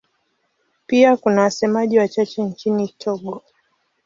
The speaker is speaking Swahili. Pia kuna wasemaji wachache nchini Togo.